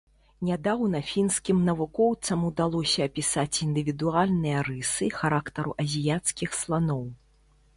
Нядаўна фінскім навукоўцам удалося апісаць індывідуальныя рысы характару азіяцкіх сланоў.